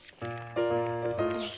よし。